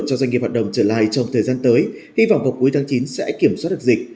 cho doanh nghiệp hoạt động trở lại trong thời gian tới hy vọng vào cuối tháng chín sẽ kiểm soát được dịch